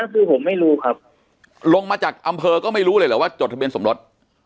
คือผมไม่รู้ครับลงมาจากอำเภอก็ไม่รู้เลยเหรอว่าจดทะเบียนสมรส